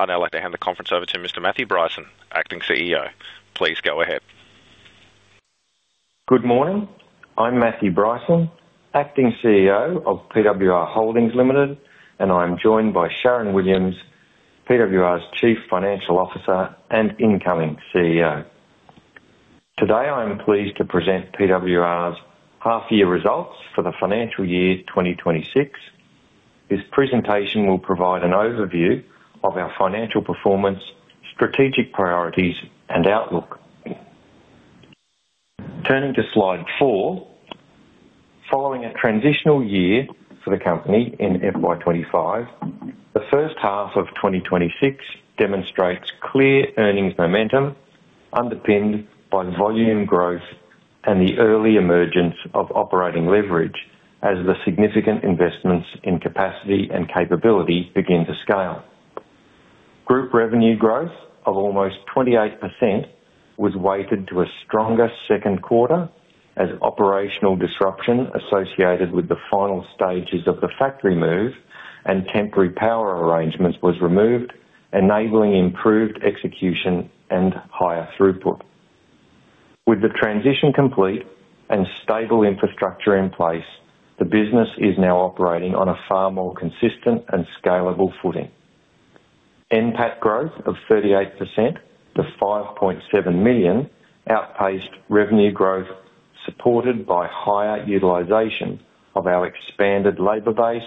I'd now like to hand the conference over to Mr. Matthew Bryson, Acting CEO. Please go ahead. Good morning. I'm Matthew Bryson, Acting CEO of PWR Holdings Limited, and I'm joined by Sharyn Williams, PWR's Chief Financial Officer and incoming CEO. Today, I am pleased to present PWR's half year results for the financial year 2026. This presentation will provide an overview of our financial performance, strategic priorities, and outlook. Turning to slide four. Following a transitional year for the company in FY 2025, the first half of 2026 demonstrates clear earnings momentum, underpinned by volume growth and the early emergence of operating leverage as the significant investments in capacity and capability begin to scale. Group revenue growth of almost 28% was weighted to a stronger second quarter as operational disruption associated with the final stages of the factory move and temporary power arrangements was removed, enabling improved execution and higher throughput. With the transition complete and stable infrastructure in place, the business is now operating on a far more consistent and scalable footing. NPAT growth of 38% to 5.7 million outpaced revenue growth, supported by higher utilization of our expanded labor base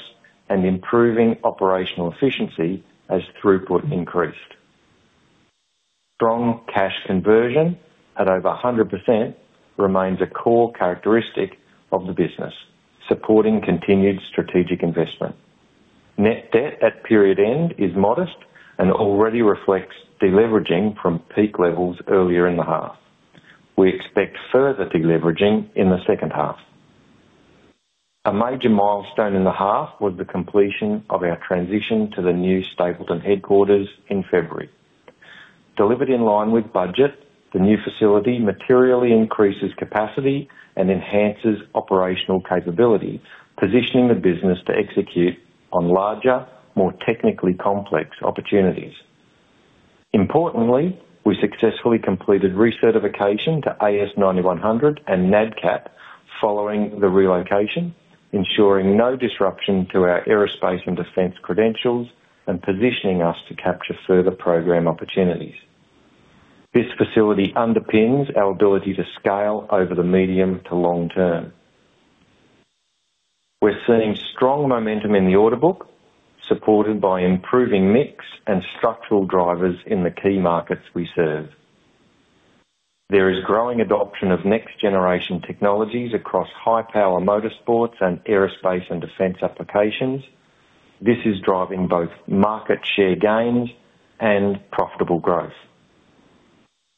and improving operational efficiency as throughput increased. Strong cash conversion at over 100% remains a core characteristic of the business, supporting continued strategic investment. Net debt at period end is modest and already reflects deleveraging from peak levels earlier in the half. We expect further deleveraging in the second half. A major milestone in the half was the completion of our transition to the new Stapylton headquarters in February. Delivered in line with budget, the new facility materially increases capacity and enhances operational capability, positioning the business to execute on larger, more technically complex opportunities. Importantly, we successfully completed recertification to AS9100 and Nadcap following the relocation, ensuring no disruption to our Aerospace and Defense credentials and positioning us to capture further program opportunities. This facility underpins our ability to scale over the medium to long term. We're seeing strong momentum in the order book, supported by improving mix and structural drivers in the key markets we serve. There is growing adoption of next-generation technologies across high-power Motorsports and Aerospace and Defense applications. This is driving both market share gains and profitable growth.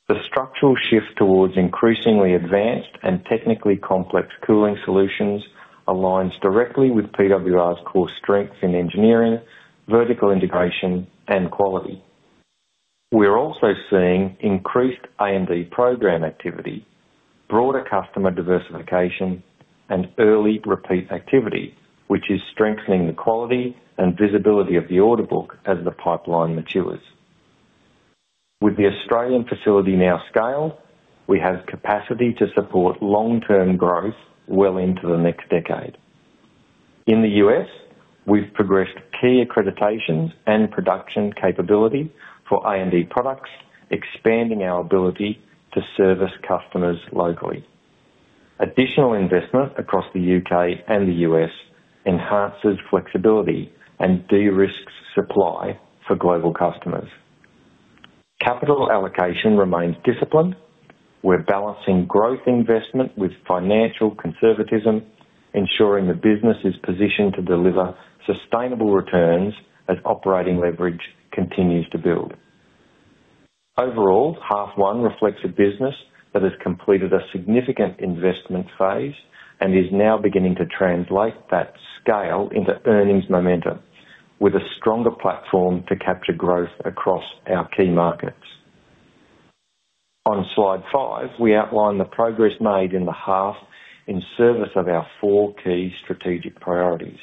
The structural shift towards increasingly advanced and technically complex cooling solutions aligns directly with PWR's core strengths in engineering, vertical integration, and quality. We are also seeing increased A&D program activity, broader customer diversification, and early repeat activity, which is strengthening the quality and visibility of the order book as the pipeline matures. With the Australian facility now scaled, we have capacity to support long-term growth well into the next decade. In the U.S., we've progressed key accreditations and production capability for A&D products, expanding our ability to service customers locally. Additional investment across the U.K. and the U.S. enhances flexibility and de-risks supply for global customers. Capital allocation remains disciplined. We're balancing growth investment with financial conservatism, ensuring the business is positioned to deliver sustainable returns as operating leverage continues to build. Overall, half one reflects a business that has completed a significant investment phase and is now beginning to translate that scale into earnings momentum with a stronger platform to capture growth across our key markets. On slide five, we outline the progress made in the half in service of our four key strategic priorities.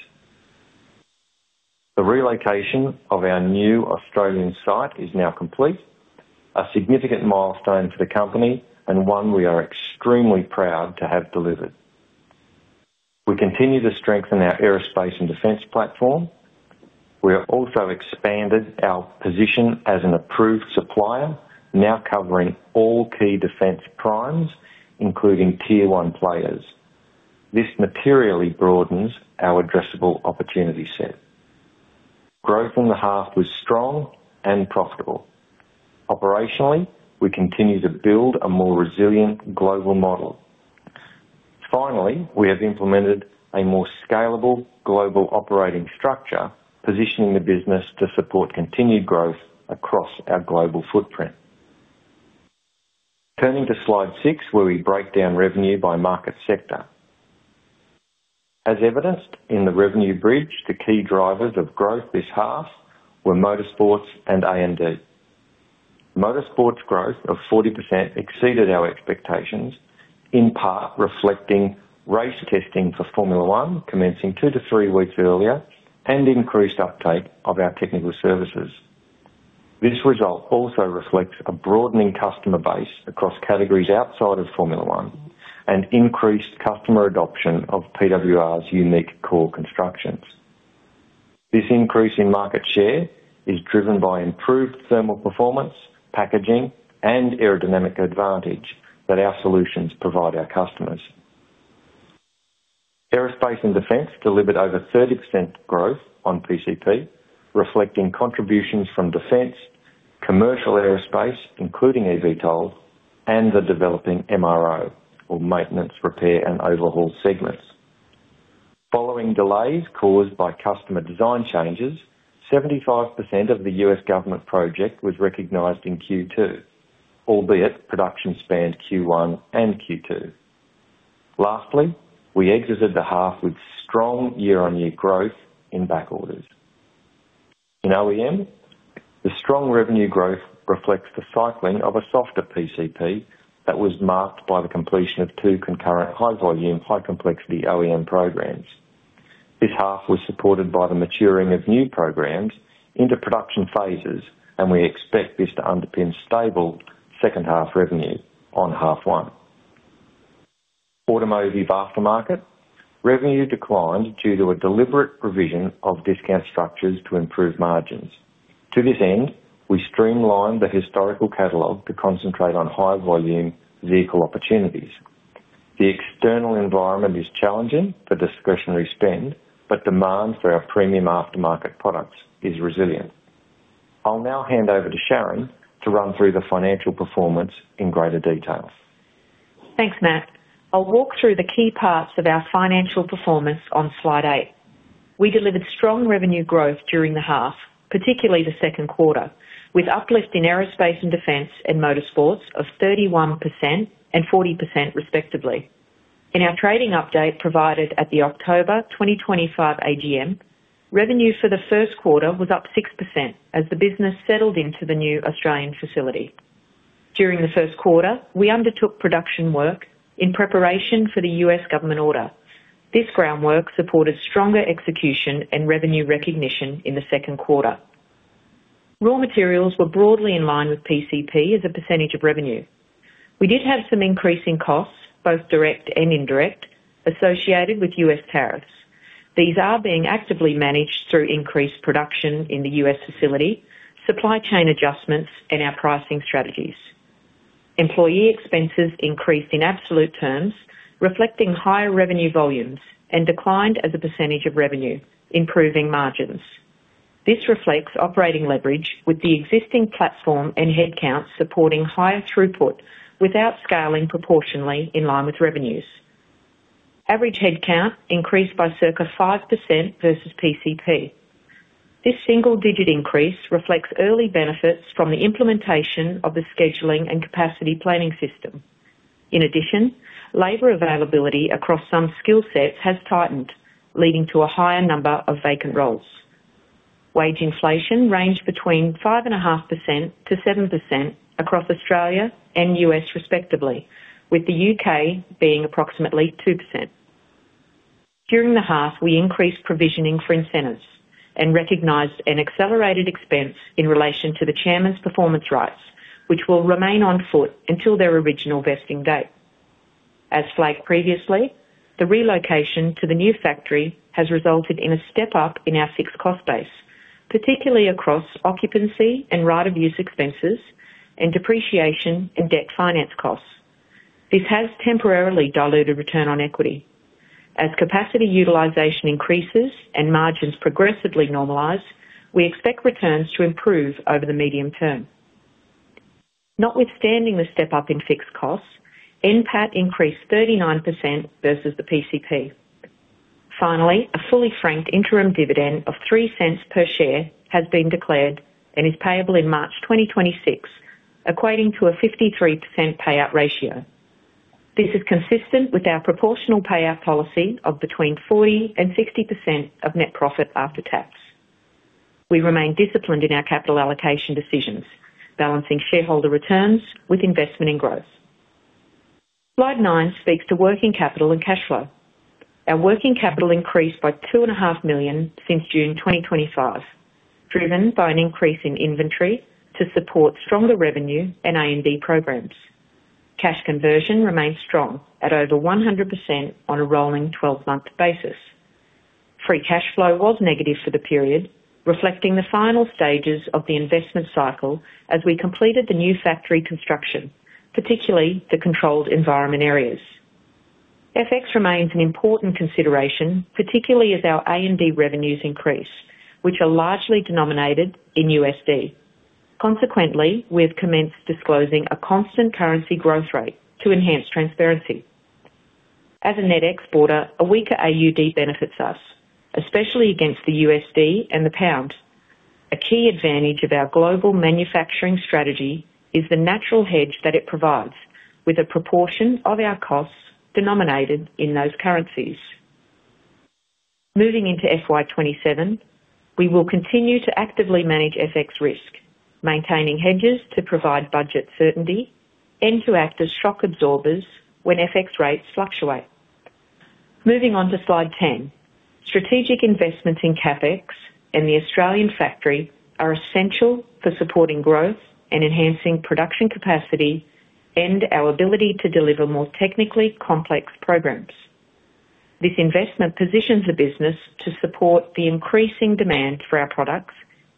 The relocation of our new Australian site is now complete, a significant milestone for the company and one we are extremely proud to have delivered. We continue to strengthen our Aerospace and Defense platform. We have also expanded our position as an approved supplier, now covering all key defense primes, including Tier 1 players. This materially broadens our addressable opportunity set. Growth in the half was strong and profitable. Operationally, we continue to build a more resilient global model. Finally, we have implemented a more scalable global operating structure, positioning the business to support continued growth across our global footprint. Turning to slide 6, where we break down revenue by market sector. As evidenced in the revenue bridge, the key drivers of growth this half were Motorsports and A&D. Motorsports growth of 40% exceeded our expectations, in part reflecting race testing for Formula One, commencing two to three weeks earlier, and increased uptake of our technical services. This result also reflects a broadening customer base across categories outside of Formula One, and increased customer adoption of PWR's unique core constructions. This increase in market share is driven by improved thermal performance, packaging, and aerodynamic advantage that our solutions provide our customers. Aerospace and Defense delivered over 30% growth on PCP, reflecting contributions from Defense, Commercial Aerospace, including eVTOL, and the developing MRO, or maintenance, repair, and overhaul segments. Following delays caused by customer design changes, 75% of the U.S. government project was recognized in Q2, albeit production spanned Q1 and Q2. Lastly, we exited the half with strong year-on-year growth in back orders. In OEM, the strong revenue growth reflects the cycling of a softer PCP that was marked by the completion of two concurrent high-volume, high-complexity OEM programs. This half was supported by the maturing of new programs into production phases, and we expect this to underpin stable second half revenue on half one. Automotive aftermarket revenue declined due to a deliberate provision of discount structures to improve margins. To this end, we streamlined the historical catalog to concentrate on high-volume vehicle opportunities. The external environment is challenging for discretionary spend, but demand for our premium aftermarket products is resilient. I'll now hand over to Sharyn to run through the financial performance in greater detail. Thanks, Matt. I'll walk through the key parts of our financial performance on slide eight. We delivered strong revenue growth during the half, particularly the second quarter, with uplift in Aerospace and Defense, and Motorsports of 31% and 40%, respectively. In our trading update, provided at the October 2025 AGM, revenue for the first quarter was up 6% as the business settled into the new Australian facility. During the first quarter, we undertook production work in preparation for the US government order. This groundwork supported stronger execution and revenue recognition in the second quarter. Raw materials were broadly in line with PCP as a percentage of revenue. We did have some increasing costs, both direct and indirect, associated with U.S. tariffs. These are being actively managed through increased production in the U.S. facility, supply chain adjustments, and our pricing strategies. Employee expenses increased in absolute terms, reflecting higher revenue volumes and declined as a percentage of revenue, improving margins. This reflects operating leverage with the existing platform and headcount, supporting higher throughput without scaling proportionally in line with revenues. Average headcount increased by circa 5% versus PCP. This single-digit increase reflects early benefits from the implementation of the scheduling and capacity planning system. In addition, labor availability across some skill sets has tightened, leading to a higher number of vacant roles. Wage inflation ranged between 5.5% to 7% across Australia and U.S., respectively, with the U.K. being approximately 2%. During the half, we increased provisioning for incentives and recognized an accelerated expense in relation to the Chairman’s performance rights, which will remain on foot until their original vesting date. As flagged previously, the relocation to the new factory has resulted in a step-up in our fixed cost base, particularly across occupancy and right-of-use expenses and depreciation and debt finance costs. This has temporarily diluted return on equity. As capacity utilization increases and margins progressively normalize, we expect returns to improve over the medium term. Notwithstanding the step-up in fixed costs, NPAT increased 39% versus the PCP. Finally, a fully franked interim dividend of 0.03 per share has been declared and is payable in March 2026, equating to a 53% payout ratio. This is consistent with our proportional payout policy of between 40% and 60% of net profit after tax. We remain disciplined in our capital allocation decisions, balancing shareholder returns with investment in growth. Slide nine speaks to working capital and cash flow. Our working capital increased by 2.5 million since June 2025, driven by an increase in inventory to support stronger revenue and A&D programs. Cash conversion remains strong at over 100% on a rolling 12-month basis. Free cash flow was negative for the period, reflecting the final stages of the investment cycle as we completed the new factory construction, particularly the controlled environment areas. FX remains an important consideration, particularly as our A&D revenues increase, which are largely denominated in USD. Consequently, we have commenced disclosing a constant currency growth rate to enhance transparency. As a net exporter, a weaker AUD benefits us, especially against the USD and the pound. A key advantage of our global manufacturing strategy is the natural hedge that it provides, with a proportion of our costs denominated in those currencies. Moving into FY 2027, we will continue to actively manage FX risk, maintaining hedges to provide budget certainty and to act as shock absorbers when FX rates fluctuate. Moving on to slide 10. Strategic investments in CapEx and the Australian factory are essential for supporting growth and enhancing production capacity and our ability to deliver more technically complex programs. This investment positions the business to support the increasing demand for our products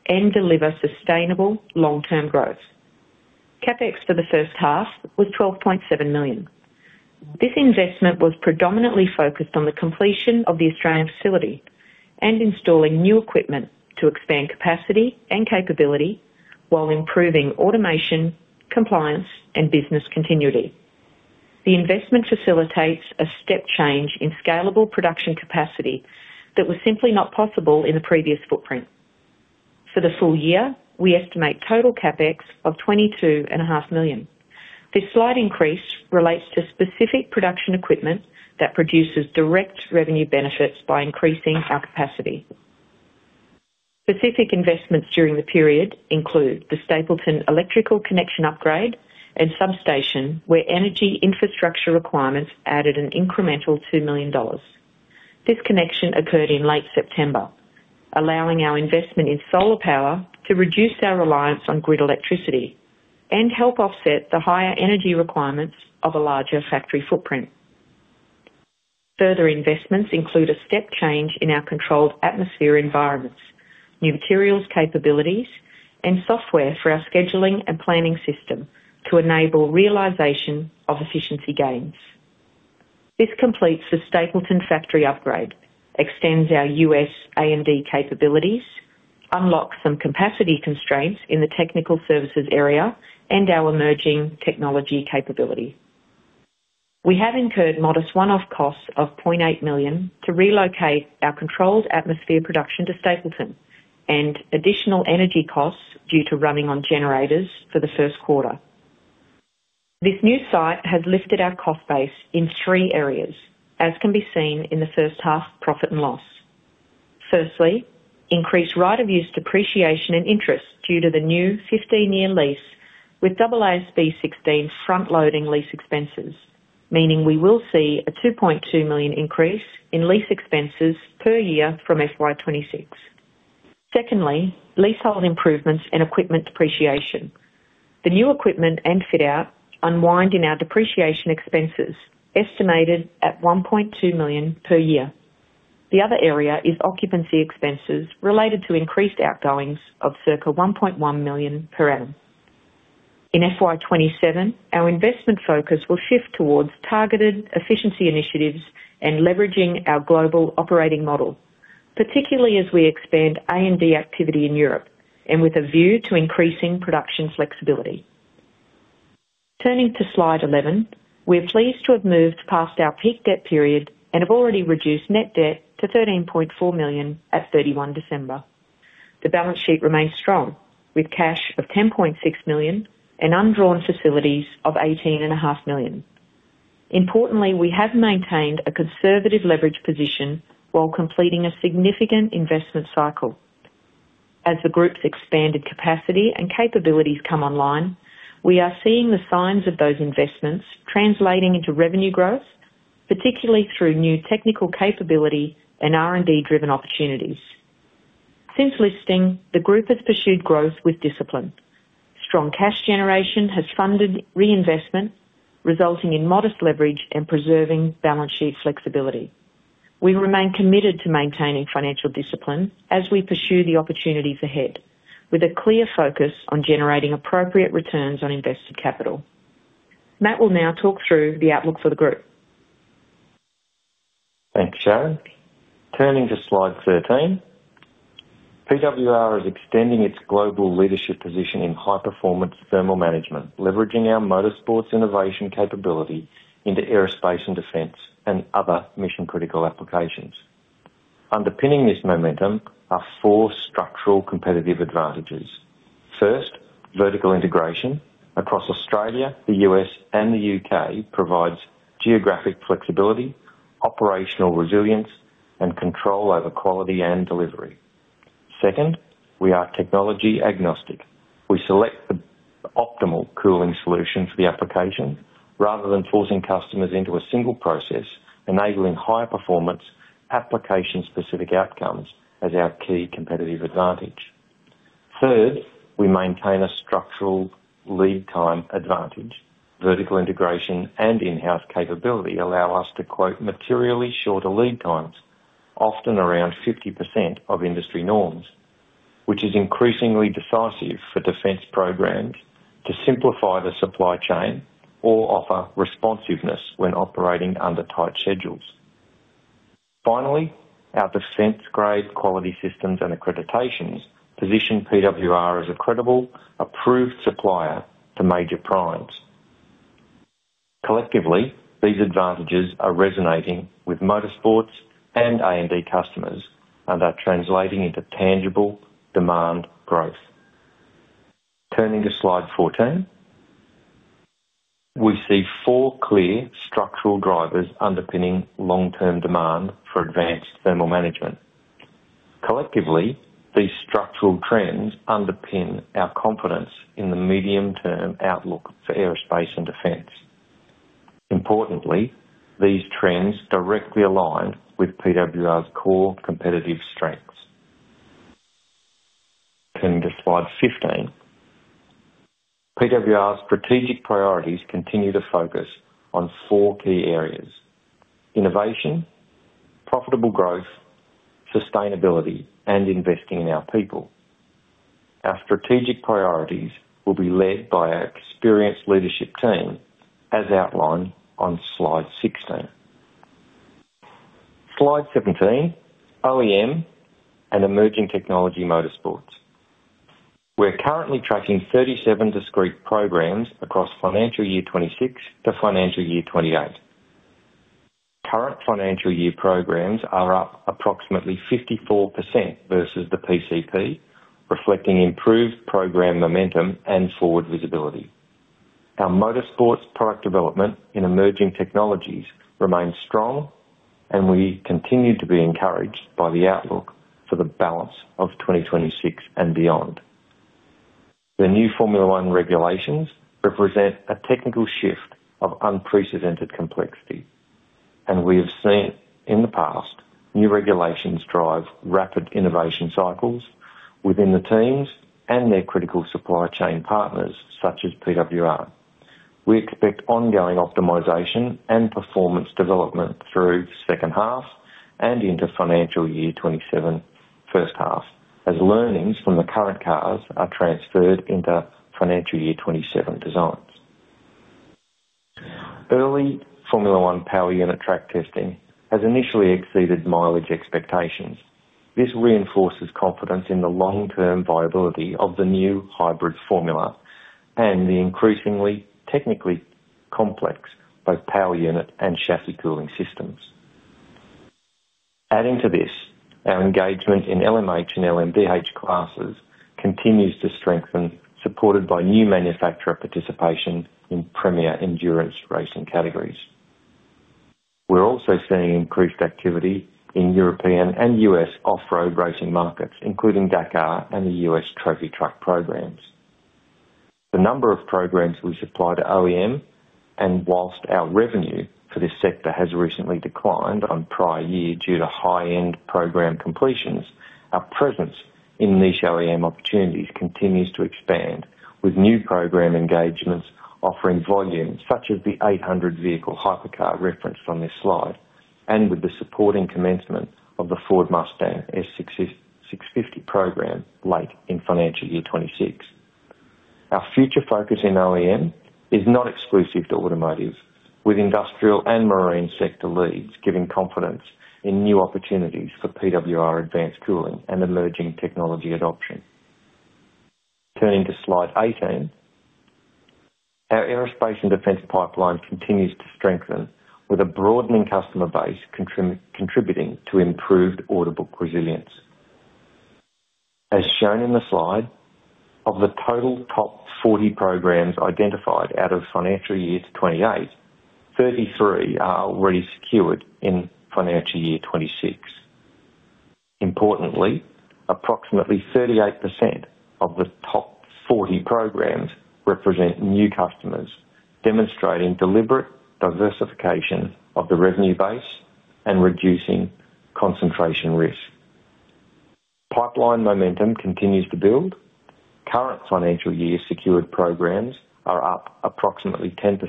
and deliver sustainable long-term growth. CapEx for the first half was 12.7 million. This investment was predominantly focused on the completion of the Australian facility and installing new equipment to expand capacity and capability while improving automation, compliance, and business continuity. The investment facilitates a step change in scalable production capacity that was simply not possible in the previous footprint. For the full year, we estimate total CapEx of 22.5 million. This slight increase relates to specific production equipment that produces direct revenue benefits by increasing our capacity. Specific investments during the period include the Stapylton electrical connection upgrade and substation, where energy infrastructure requirements added an incremental 2 million dollars. This connection occurred in late September, allowing our investment in solar power to reduce our reliance on grid electricity and help offset the higher energy requirements of a larger factory footprint. Further investments include a step change in our controlled atmosphere environments, new materials capabilities, and software for our scheduling and planning system to enable realization of efficiency gains. This completes the Stapylton factory upgrade, extends our U.S. A&D capabilities, unlocks some capacity constraints in the technical services area, and our emerging technology capability. We have incurred modest one-off costs of 0.8 million to relocate our controlled atmosphere production to Stapylton, and additional energy costs due to running on generators for the first quarter. This new site has lifted our cost base in three areas, as can be seen in the first half profit and loss. Firstly, increased right of use depreciation and interest due to the new 15-year lease, with AASB 16 front-loading lease expenses, meaning we will see a 2.2 million increase in lease expenses per year from FY 2026. Secondly, leasehold improvements and equipment depreciation. The new equipment and fit-out unwind in our depreciation expenses, estimated at 1.2 million per year. The other area is occupancy expenses related to increased outgoings of circa 1.1 million per annum. In FY 2027, our investment focus will shift towards targeted efficiency initiatives and leveraging our global operating model, particularly as we expand A&D activity in Europe and with a view to increasing production flexibility. Turning to slide 11. We're pleased to have moved past our peak debt period and have already reduced net debt to 13.4 million at 31 December. The balance sheet remains strong, with cash of 10.6 million and undrawn facilities of 18.5 million. Importantly, we have maintained a conservative leverage position while completing a significant investment cycle. As the group's expanded capacity and capabilities come online, we are seeing the signs of those investments translating into revenue growth, particularly through new technical capability and R&D-driven opportunities. Since listing, the group has pursued growth with discipline. Strong cash generation has funded reinvestment, resulting in modest leverage and preserving balance sheet flexibility. We remain committed to maintaining financial discipline as we pursue the opportunities ahead, with a clear focus on generating appropriate returns on invested capital. Matt will now talk through the outlook for the group. Thanks, Sharyn. Turning to slide 13. PWR is extending its global leadership position in high-performance thermal management, leveraging our Motorsports innovation capability into Aerospace and Defense and other mission-critical applications. Underpinning this momentum are four structural competitive advantages. First, vertical integration across Australia, the U.S., and the U.K. provides geographic flexibility, operational resilience, and control over quality and delivery. Second, we are technology agnostic. We select the optimal cooling solution for the application rather than forcing customers into a single process, enabling higher performance application-specific outcomes as our key competitive advantage. Third, we maintain a structural lead time advantage. Vertical integration and in-house capability allow us to quote materially shorter lead times, often around 50% of industry norms, which is increasingly decisive for defense programs to simplify the supply chain or offer responsiveness when operating under tight schedules. Finally, our defense-grade quality systems and accreditations position PWR as a credible, approved supplier to major primes. Collectively, these advantages are resonating with Motorsports and A&D customers and are translating into tangible demand growth. Turning to slide 14. We see four clear structural drivers underpinning long-term demand for advanced thermal management. Collectively, these structural trends underpin our confidence in the medium-term outlook for Aerospace and Defense. Importantly, these trends directly align with PWR's core competitive strengths. Turning to slide 15. PWR's strategic priorities continue to focus on four key areas: innovation, profitable growth, sustainability, and investing in our people. Our strategic priorities will be led by our experienced leadership team, as outlined on slide 16. Slide 17, OEM and emerging technology Motorsports. We're currently tracking 37 discrete programs across financial year 2026 to financial year 2028. Current financial year programs are up approximately 54% versus the PCP, reflecting improved program momentum and forward visibility. Our Motorsports product development in emerging technologies remains strong, and we continue to be encouraged by the outlook for the balance of 2026 and beyond. The new Formula One regulations represent a technical shift of unprecedented complexity, and we have seen in the past, new regulations drive rapid innovation cycles within the teams and their critical supply chain partners, such as PWR. We expect ongoing optimization and performance development through second half and into financial year 2027 first half, as learnings from the current cars are transferred into financial year 2027 designs. Early Formula One power unit track testing has initially exceeded mileage expectations. This reinforces confidence in the long-term viability of the new hybrid formula and the increasingly technically complex, both power unit and chassis cooling systems. Adding to this, our engagement in LMH and LMDh classes continues to strengthen, supported by new manufacturer participation in premier endurance racing categories. We're also seeing increased activity in European and U.S. off-road racing markets, including Dakar and the U.S. trophy truck programs. The number of programs we supply to OEM, and whilst our revenue for this sector has recently declined on prior year due to high-end program completions, our presence in niche OEM opportunities continues to expand, with new program engagements offering volumes such as the 800 vehicle hypercar referenced on this slide, and with the supporting commencement of the Ford Mustang S650 program late in financial year 2026. Our future focus in OEM is not exclusive to automotive, with industrial and marine sector leads giving confidence in new opportunities for PWR advanced cooling and emerging technology adoption. Turning to Slide 18. Our Aerospace and Defense pipeline continues to strengthen, with a broadening customer base contributing to improved order book resilience. As shown in the slide, of the total top 40 programs identified out of financial year 2028, 33 are already secured in financial year 2026. Importantly, approximately 38% of the top 40 programs represent new customers, demonstrating deliberate diversification of the revenue base and reducing concentration risk. Pipeline momentum continues to build. Current financial year secured programs are up approximately 10%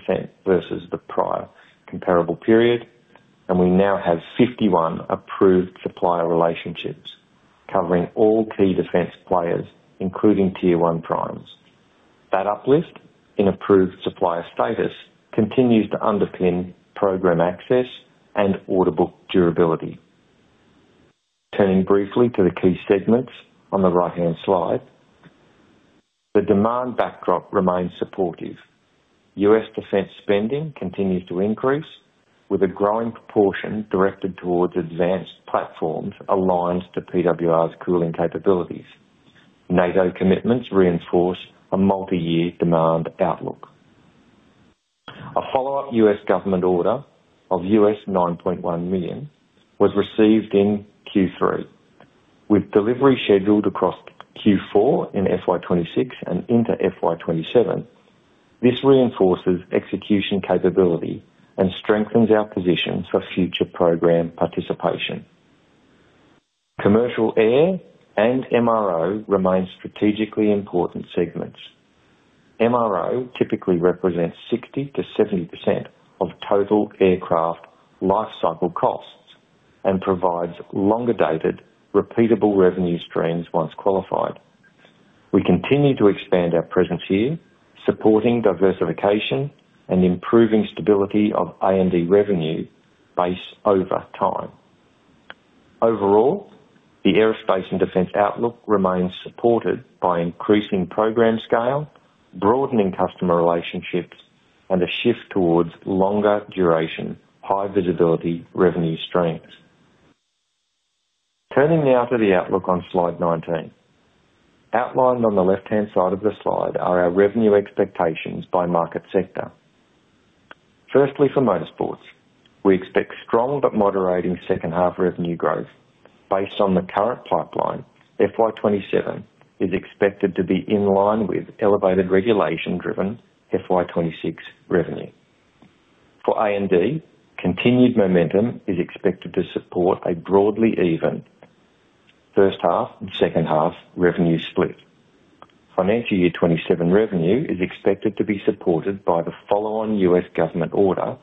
versus the prior comparable period, and we now have 51 approved supplier relationships covering all key defense players, including Tier 1 primes. That uplift in approved supplier status continues to underpin program access and order book durability. Turning briefly to the key segments on the right-hand slide. The demand backdrop remains supportive. U.S. defense spending continues to increase, with a growing proportion directed towards advanced platforms aligns to PWR's cooling capabilities. NATO commitments reinforce a multi-year demand outlook. A follow-up U.S. government order of $9.1 million was received in Q3, with delivery scheduled across Q4 in FY 2026 and into FY 2027. This reinforces execution capability and strengthens our position for future program participation. Commercial air and MRO remain strategically important segments. MRO typically represents 60%-70% of total aircraft lifecycle costs and provides longer-dated, repeatable revenue streams once qualified. We continue to expand our presence here, supporting diversification and improving stability of A&D revenue base over time. Overall, the Aerospace and Defense outlook remains supported by increasing program scale, broadening customer relationships, and a shift towards longer-duration, high-visibility revenue streams. Turning now to the outlook on slide 19. Outlined on the left-hand side of the slide are our revenue expectations by market sector. Firstly, for Motorsports, we expect strong but moderating second half revenue growth. Based on the current pipeline, FY 2027 is expected to be in line with elevated regulation-driven FY 2026 revenue. For A&D, continued momentum is expected to support a broadly even first half and second half revenue split. Financial year 2027 revenue is expected to be supported by the follow-on U.S. government order,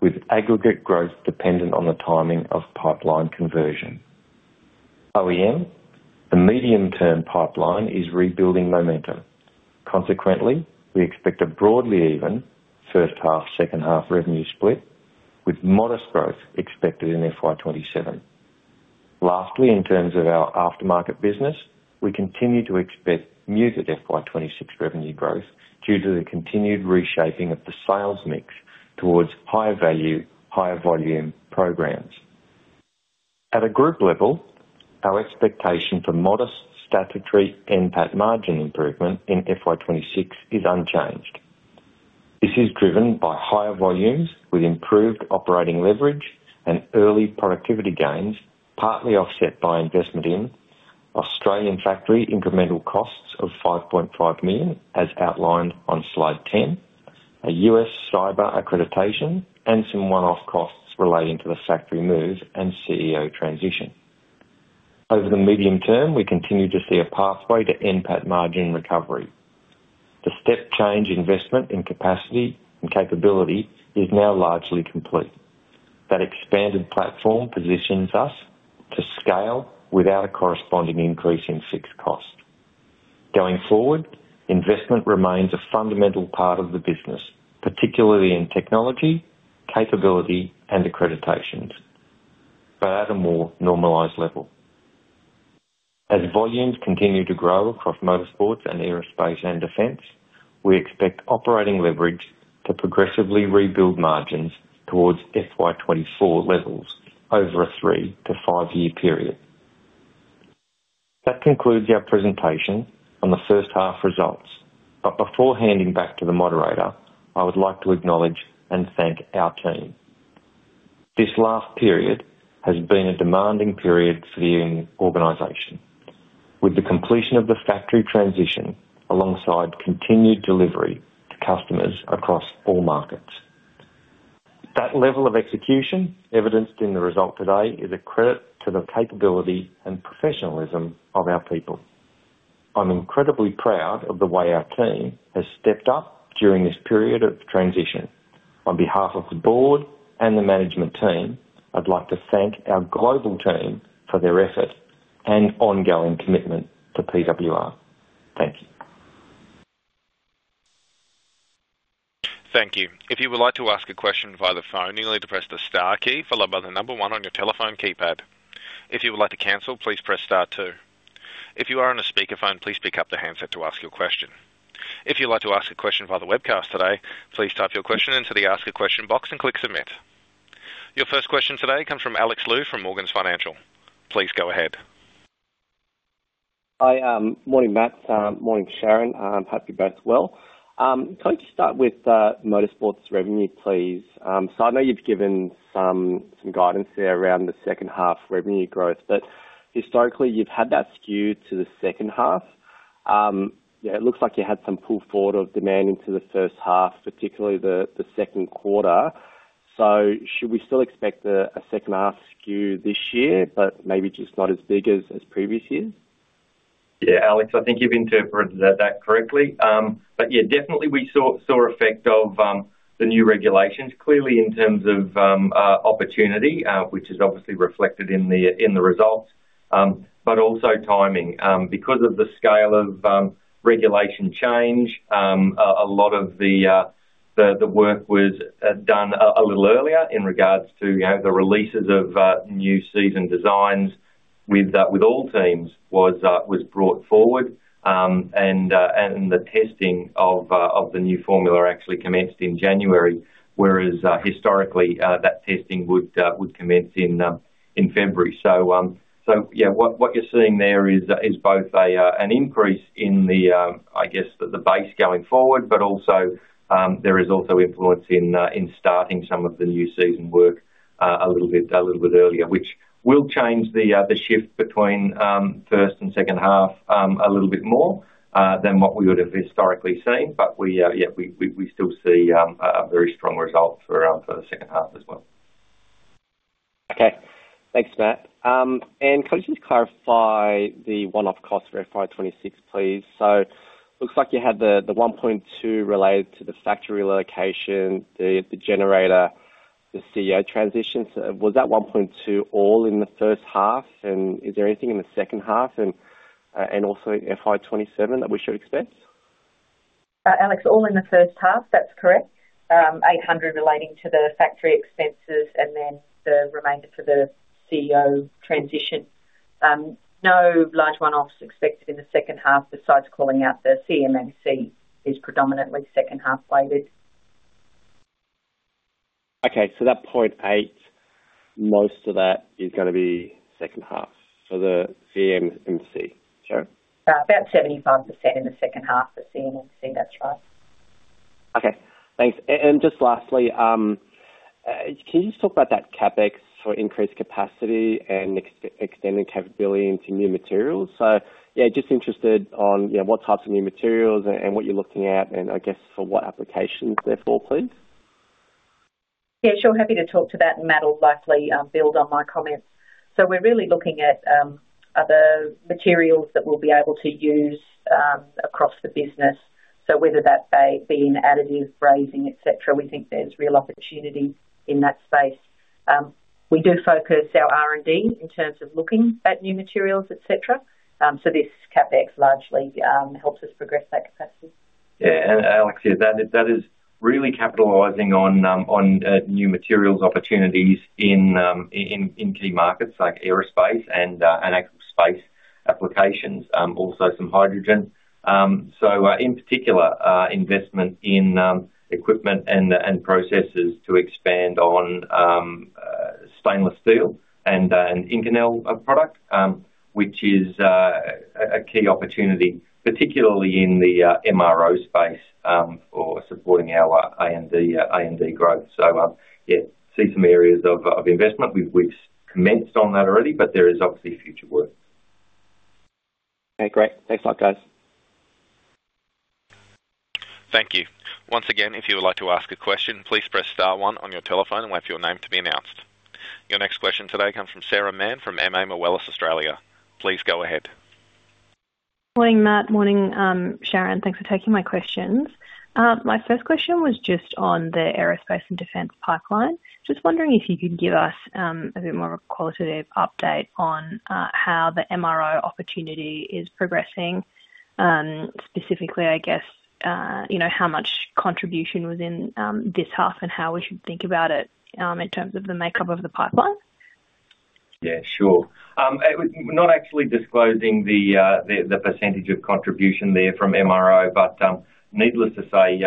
with aggregate growth dependent on the timing of pipeline conversion. OEM, the medium-term pipeline is rebuilding momentum. Consequently, we expect a broadly even first half, second half revenue split, with modest growth expected in FY 2027. Lastly, in terms of our aftermarket business, we continue to expect muted FY 2026 revenue growth due to the continued reshaping of the sales mix towards higher value, higher volume programs. At a group level, our expectation for modest statutory NPAT margin improvement in FY 2026 is unchanged. This is driven by higher volumes with improved operating leverage and early productivity gains, partly offset by investment in Australian factory incremental costs of 5.5 million, as outlined on slide 10, a U.S. cyber accreditation, and some one-off costs relating to the factory move and CEO transition. Over the medium term, we continue to see a pathway to NPAT margin recovery. The step change investment in capacity and capability is now largely complete. That expanded platform positions us to scale without a corresponding increase in fixed cost. Going forward, investment remains a fundamental part of the business, particularly in technology, capability, and accreditations, but at a more normalized level. As volumes continue to grow across Motorsports and Aerospace and Defense, we expect operating leverage to progressively rebuild margins towards FY 2024 levels over a three to five-year period. That concludes our presentation on the first half results, but before handing back to the moderator, I would like to acknowledge and thank our team. This last period has been a demanding period for the organization, with the completion of the factory transition alongside continued delivery to customers across all markets. That level of execution, evidenced in the result today, is a credit to the capability and professionalism of our people. I'm incredibly proud of the way our team has stepped up during this period of transition. On behalf of the board and the management team, I'd like to thank our global team for their effort and ongoing commitment to PWR. Thank you. Thank you. If you would like to ask a question via the phone, you'll need to press the star key followed by the number one on your telephone keypad. If you would like to cancel, please press star two. If you are on a speakerphone, please pick up the handset to ask your question. If you'd like to ask a question via the webcast today, please type your question into the Ask a Question box and click Submit. Your first question today comes from Alex Lu from Morgans Financial. Please go ahead. Hi, morning, Matt. Morning, Sharyn. Hope you're both well. Can I just start with Motorsports revenue, please? So I know you've given some guidance there around the second half revenue growth, but historically, you've had that skewed to the second half. Yeah, it looks like you had some pull forward of demand into the first half, particularly the second quarter. So should we still expect a second half skew this year, but maybe just not as big as previous years? Yeah, Alex, I think you've interpreted that correctly. Yeah, definitely we saw effect of the new regulations, clearly in terms of opportunity, which is obviously reflected in the results, also timing. Because of the scale of regulation change, a lot of the work was done a little earlier in regards to, you know, the releases of new season designs with all teams was brought forward. The testing of the new formula actually commenced in January, whereas historically, that testing would commence in February. So yeah, what you're seeing there is both an increase in the, I guess, the base going forward, but also there is also influence in starting some of the new season work a little bit earlier, which will change the shift between first and second half a little bit more than what we would have historically seen. But yeah, we still see a very strong result for the second half as well. Okay. Thanks, Matt. Could you just clarify the one-off cost for FY 2026, please? So looks like you had the 1.2 million related to the factory relocation, the generator, the CEO transition. So was that 1.2 million all in the first half, and is there anything in the second half and also FY 2027 that we should expect? Alex, all in the first half, that's correct. 800,000 relating to the factory expenses and then the remainder for the CEO transition. No large one-offs expected in the second half, besides calling out the CMMC is predominantly second half weighted. Okay, so that 800,000, most of that is going to be second half. So the CMMC, Sharyn? About 75% in the second half of CMMC, that's right. Okay, thanks. And just lastly, can you just talk about that CapEx for increased capacity and extending capability into new materials? So, yeah, just interested on, you know, what types of new materials and what you're looking at, and I guess for what applications therefore, please. Yeah, sure. Happy to talk to that, and Matt will likely build on my comments. So we're really looking at other materials that we'll be able to use across the business. So whether that be in additive, brazing, et cetera, we think there's real opportunity in that space. We do focus our R&D in terms of looking at new materials, et cetera. So this CapEx largely helps us progress that capacity. Yeah, and Alex, yeah, that is really capitalizing on new materials opportunities in key markets like Aerospace and actual space applications. Also some hydrogen. So, in particular, investment in equipment and processes to expand on stainless steel and Inconel product, which is a key opportunity, particularly in the MRO space, for supporting our A&D growth. So, yeah, see some areas of investment. We've commenced on that already, but there is obviously future work. Okay, great. Thanks a lot, guys. Thank you. Once again, if you would like to ask a question, please press star one on your telephone and wait for your name to be announced. Your next question today comes from Sarah Mann, from MA Moelis Australia. Please go ahead. Morning, Matt. Morning, Sharyn. Thanks for taking my questions. My first question was just on the aerospace and defense pipeline. Just wondering if you could give us a bit more of a qualitative update on how the MRO opportunity is progressing. Specifically, I guess, you know, how much contribution was in this half and how we should think about it in terms of the makeup of the pipeline? Yeah, sure. We're not actually disclosing the percentage of contribution there from MRO, but needless to say,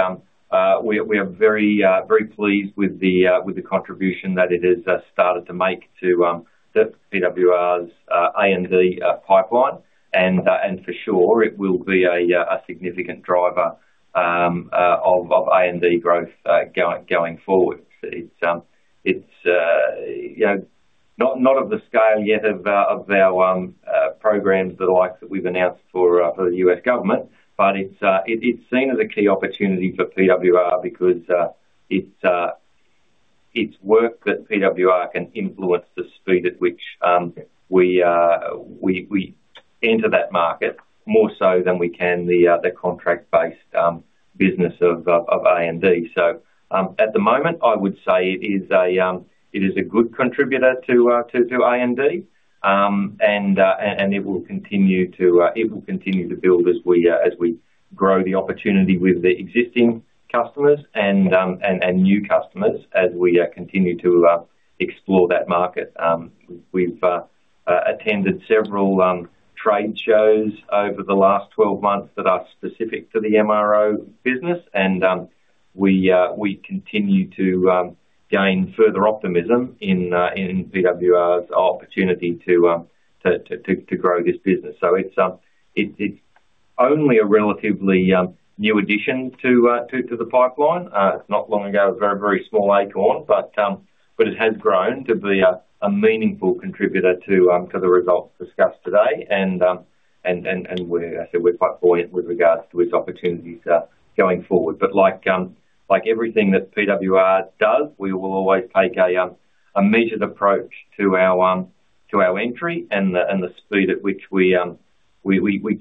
we are very, very pleased with the contribution that it has started to make to the PWR's A&D pipeline. And for sure, it will be a significant driver of A&D growth going forward. It's, you know, not of the scale yet of our programs, the likes that we've announced for the U.S. government, but it's seen as a key opportunity for PWR because it's work that PWR can influence the speed at which we enter that market more so than we can the contract-based business of A&D. So, at the moment, I would say it is a good contributor to A&D. And it will continue to build as we grow the opportunity with the existing customers and new customers, as we continue to explore that market. We've attended several trade shows over the last 12 months that are specific to the MRO business, and we continue to gain further optimism in PWR's opportunity to grow this business. So it's only a relatively new addition to the pipeline. Not long ago, it was a very small acorn, but it has grown to be a meaningful contributor to the results discussed today. And we're, I say we're quite buoyant with regards to its opportunities going forward. But like, like everything that PWR does, we will always take a measured approach to our entry and the speed at which we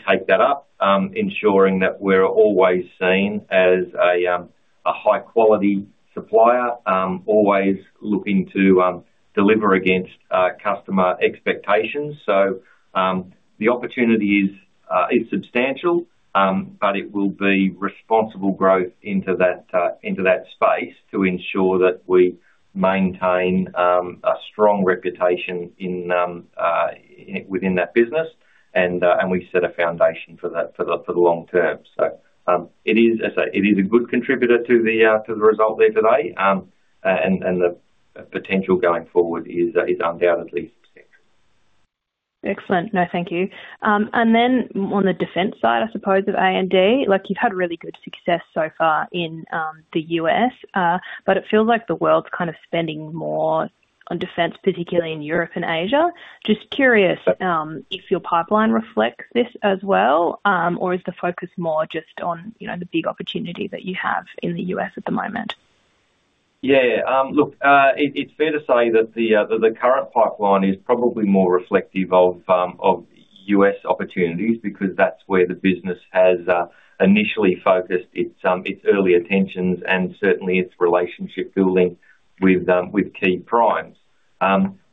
take that up, ensuring that we're always seen as a high-quality supplier, always looking to deliver against customer expectations. So, the opportunity is substantial, but it will be responsible growth into that space to ensure that we maintain a strong reputation within that business, and we set a foundation for that for the long term. So, it is, as I say, it is a good contributor to the result there today. And the potential going forward is undoubtedly significant. Excellent. No, thank you. And then on the defense side, I suppose, of A&D, like, you've had really good success so far in, the U.S., but it feels like the world's kind of spending more on defense, particularly in Europe and Asia. Just curious, if your pipeline reflects this as well, or is the focus more just on, you know, the big opportunity that you have in the U.S. at the moment? Yeah. Look, it's fair to say that the current pipeline is probably more reflective of U.S. opportunities because that's where the business has initially focused its early attentions and certainly its relationship building with key primes.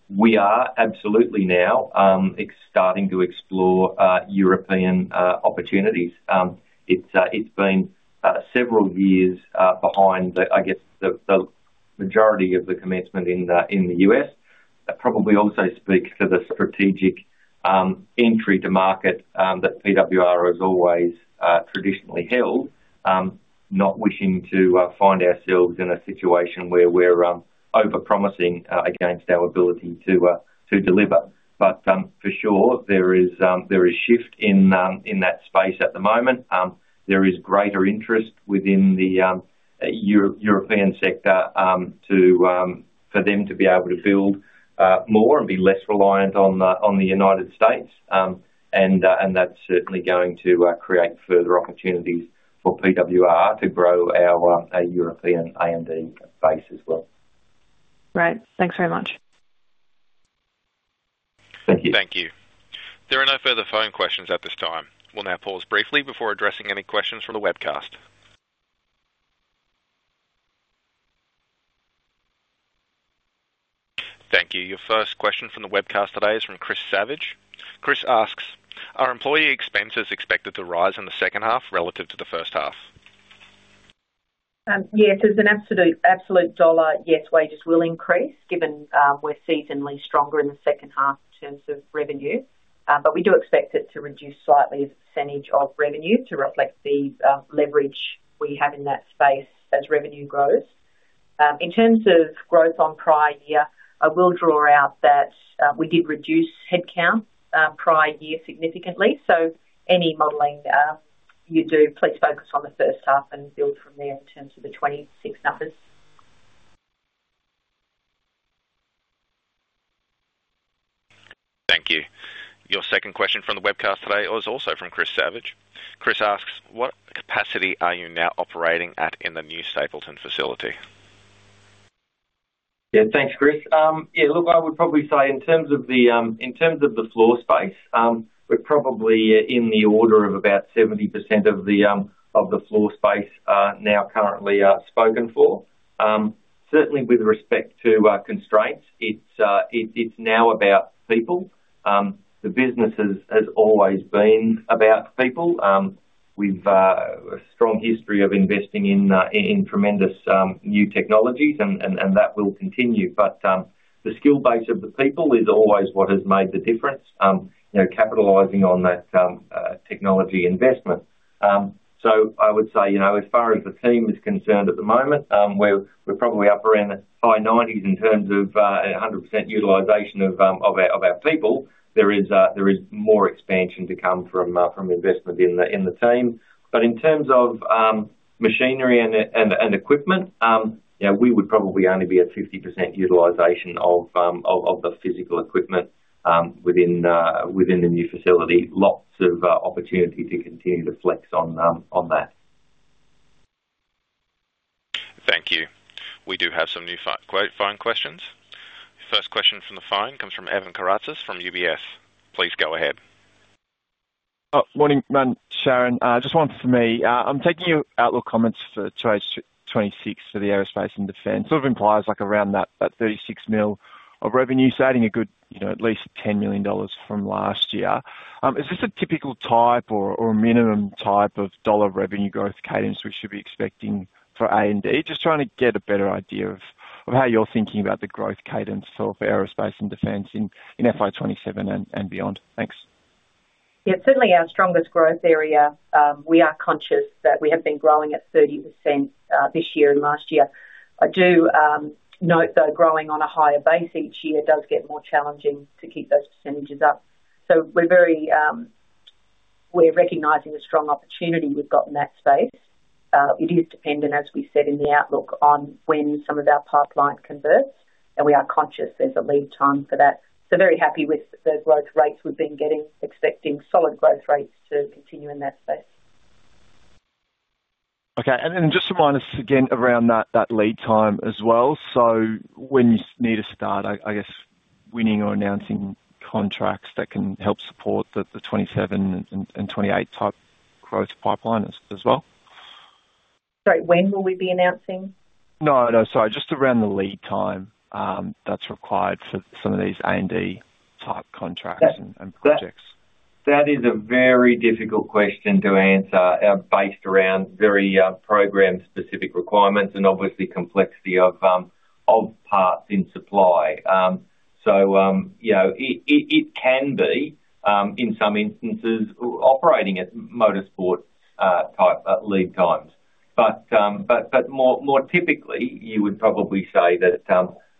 We are absolutely now starting to explore European opportunities. It's been several years behind the, I guess, the majority of the commencement in the U.S. That probably also speaks to the strategic entry to market that PWR has always traditionally held. Not wishing to find ourselves in a situation where we're over-promising against our ability to deliver. But, for sure, there is shift in that space at the moment. There is greater interest within the European sector for them to be able to build more and be less reliant on the United States. And that's certainly going to create further opportunities for PWR to grow our European A&D base as well. Right. Thanks very much. Thank you. Thank you. There are no further phone questions at this time. We'll now pause briefly before addressing any questions from the webcast. Thank you. Your first question from the webcast today is from Chris Savage. Chris asks: Are employee expenses expected to rise in the second half relative to the first half? Yes, as an absolute, absolute dollar, yes, wages will increase given we're seasonally stronger in the second half in terms of revenue. But we do expect it to reduce slightly as a percentage of revenue to reflect the leverage we have in that space as revenue grows. In terms of growth on prior year, I will draw out that we did reduce headcount prior year significantly, so any modeling you do, please focus on the first half and build from there in terms of the 2026 numbers. Thank you. Your second question from the webcast today is also from Chris Savage. Chris asks: What capacity are you now operating at in the new Stapylton facility? Yeah, thanks, Chris. Yeah, look, I would probably say in terms of the, in terms of the floor space, we're probably in the order of about 70% of the, of the floor space, now currently, spoken for. Certainly with respect to constraints, it's now about people. The business has always been about people. We've a strong history of investing in, in tremendous new technologies, and that will continue. But, the skill base of the people is always what has made the difference, you know, capitalizing on that technology investment. So I would say, you know, as far as the team is concerned at the moment, we're probably up around the high 90%s in terms of 100% utilization of our people. There is more expansion to come from investment in the team. But in terms of machinery and equipment, yeah, we would probably only be at 50% utilization of the physical equipment within the new facility. Lots of opportunity to continue to flex on that. Thank you. We do have some new phone questions. First question from the phone comes from Evan Karatzas from UBS. Please go ahead. Oh, morning, Matt, Sharyn. Just one for me. I'm taking your outlook comments for FY 2026 for the Aerospace and Defense. Sort of implies like around that 36 million of revenue, so adding a good, you know, at least 10 million dollars from last year. Is this a typical type or a minimum type of dollar revenue growth cadence we should be expecting for A&D? Just trying to get a better idea of how you're thinking about the growth cadence of Aerospace and Defense in FY 2027 and beyond. Thanks. Yeah, certainly our strongest growth area, we are conscious that we have been growing at 30%, this year and last year. I do, note, though, growing on a higher base each year does get more challenging to keep those percentages up. So we're very, we're recognizing the strong opportunity we've got in that space. It is dependent, as we said in the outlook, on when some of our pipeline converts, and we are conscious there's a lead time for that. So very happy with the growth rates we've been getting, expecting solid growth rates to continue in that space. Okay. And then just remind us again around that lead time as well. So when you need to start, I guess, winning or announcing contracts that can help support the 2027 and 2028 type growth pipeline as well? Sorry, when will we be announcing? No, no, sorry, just around the lead time, that's required for some of these A&D type contracts and projects. That is a very difficult question to answer, based around very program-specific requirements and obviously complexity of parts in supply. So, you know, it can be, in some instances, operating at Motorsports type lead times. But more typically, you would probably say that,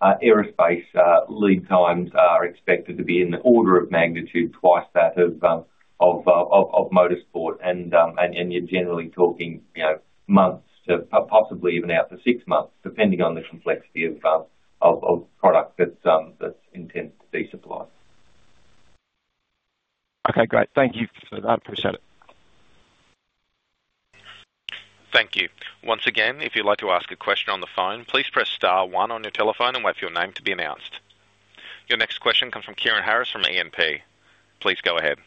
Aerospace lead times are expected to be in the order of magnitude, twice that of Motorsport. And you're generally talking, you know, months to possibly even out to six months, depending on the complexity of product that's intended to be supplied. Okay, great. Thank you for that. Appreciate it. Thank you. Once again, if you'd like to ask a question on the phone, please press star one on your telephone and wait for your name to be announced. Your next question comes from Kieran Harris from E&P. Please go ahead.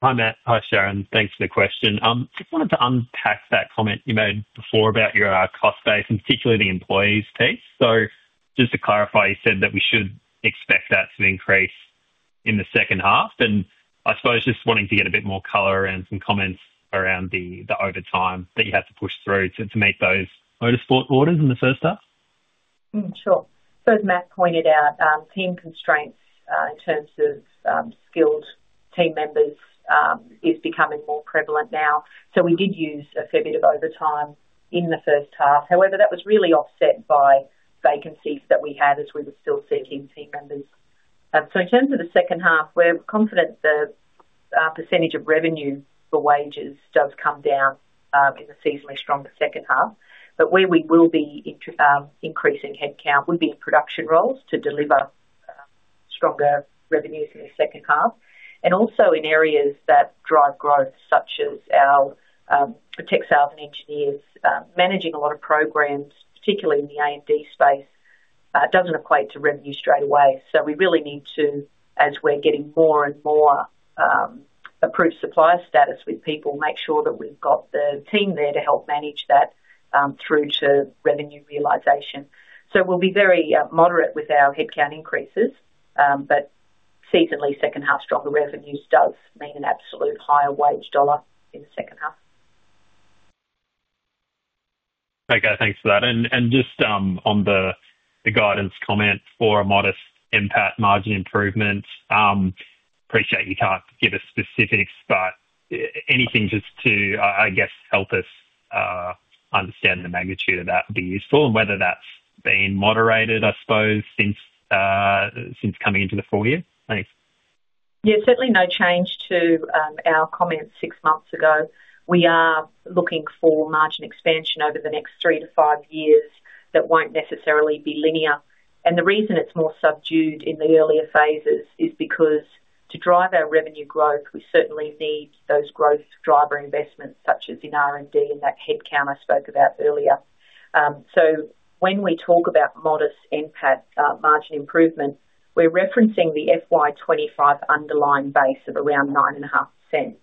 Hi, Matt. Hi, Sharyn. Thanks for the question. Just wanted to unpack that comment you made before about your cost base, and particularly the employees piece. So just to clarify, you said that we should expect that to increase in the second half, and I suppose just wanting to get a bit more color and some comments around the overtime that you had to push through to meet those Motorsport orders in the first half? Sure. So as Matt pointed out, team constraints in terms of skilled team members is becoming more prevalent now. So we did use a fair bit of overtime in the first half. However, that was really offset by vacancies that we had as we were still seeking team members. So in terms of the second half, we're confident the percentage of revenue for wages does come down in the seasonally stronger second half. But where we will be increasing headcount would be in production roles to deliver stronger revenues in the second half, and also in areas that drive growth such as our tech sales and engineers. Managing a lot of programs, particularly in the A&D space, doesn't equate to revenue straight away. So we really need to, as we're getting more and more, approved supplier status with people, make sure that we've got the team there to help manage that, through to revenue realization. So we'll be very, moderate with our headcount increases, but seasonally, second half stronger revenues does mean an absolute higher wage dollar in the second half. Okay, thanks for that. And just on the guidance comment for a modest NPAT margin improvement, appreciate you can't give us specifics, but anything just to, I guess, help us understand the magnitude of that would be useful and whether that's been moderated, I suppose, since coming into the full year. Thanks. Yeah, certainly no change to our comments six months ago. We are looking for margin expansion over the next three to five years that won't necessarily be linear. The reason it's more subdued in the earlier phases is because to drive our revenue growth, we certainly need those growth driver investments, such as in R&D and that headcount I spoke about earlier. When we talk about modest NPAT margin improvement, we're referencing the FY 2025 underlying base of around 9.5%.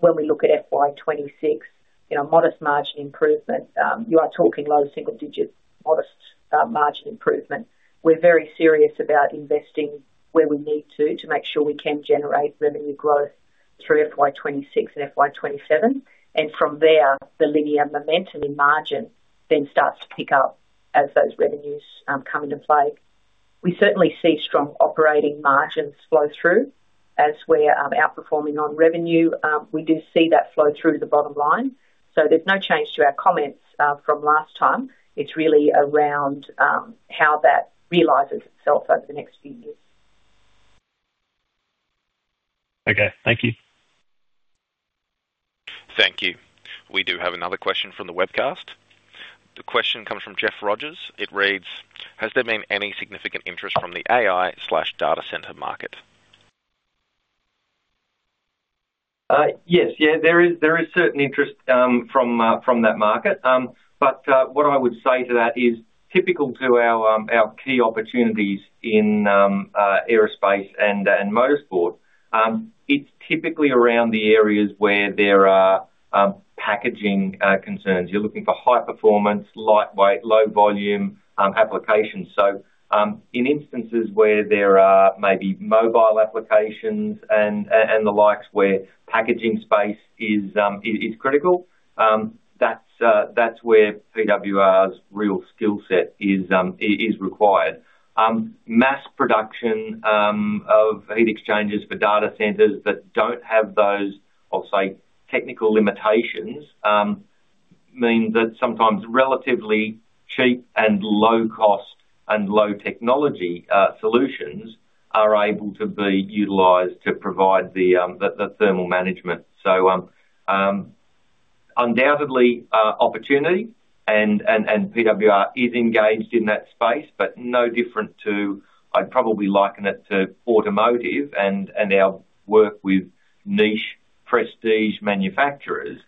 When we look at FY 2026, you know, modest margin improvement, you are talking low single digit, modest margin improvement. We're very serious about investing where we need to, to make sure we can generate revenue growth through FY 2026 and FY 2027, and from there, the linear momentum in margin then starts to pick up as those revenues come into play. We certainly see strong operating margins flow through as we're outperforming on revenue. We do see that flow through to the bottom line, so there's no change to our comments from last time. It's really around how that realizes itself over the next few years. Okay, thank you. Thank you. We do have another question from the webcast. The question comes from Jeff Rogers. It reads: Has there been any significant interest from the AI/data center market? Yes. Yeah, there is, there is certain interest, from, from that market. But, what I would say to that is typical to our, our key opportunities in, Aerospace and, and Motorsport, it's typically around the areas where there are, packaging concerns. You're looking for high performance, lightweight, low volume, applications. So, in instances where there are maybe mobile applications and, and the likes, where packaging space is critical, that's, that's where PWR's real skill set is required. Mass production, of heat exchangers for data centers that don't have those, I'll say, technical limitations, mean that sometimes relatively cheap and low cost and low technology, solutions are able to be utilized to provide the thermal management. So, undoubtedly, opportunity and PWR is engaged in that space, but no different to—I'd probably liken it to automotive and our work with niche prestige manufacturers.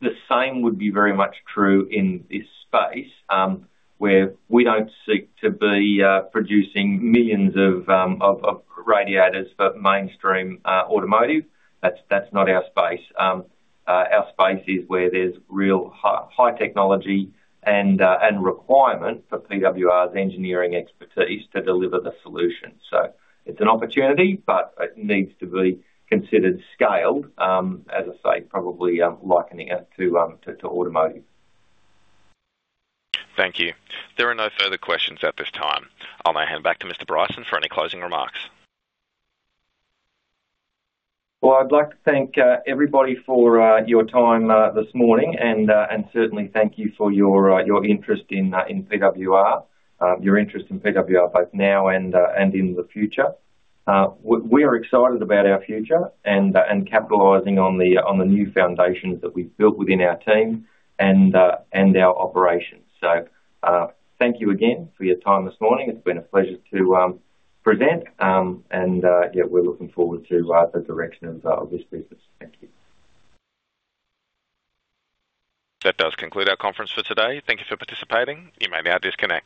The same would be very much true in this space, where we don't seek to be producing millions of radiators for mainstream automotive. That's not our space. Our space is where there's real high technology and requirement for PWR's engineering expertise to deliver the solution. So it's an opportunity, but it needs to be considered scaled, as I say, probably, likening it to automotive. Thank you. There are no further questions at this time. I'll now hand back to Mr. Bryson for any closing remarks. Well, I'd like to thank everybody for your time this morning, and certainly thank you for your interest in PWR. Your interest in PWR, both now and in the future. We are excited about our future and capitalizing on the new foundations that we've built within our team and our operations. So, thank you again for your time this morning. It's been a pleasure to present, and yeah, we're looking forward to the direction of this business. Thank you. That does conclude our conference for today. Thank you for participating. You may now disconnect.